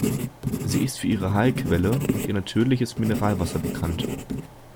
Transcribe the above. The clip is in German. Sie ist für ihre Heilquellen und ihr natürliches Mineralwasser bekannt.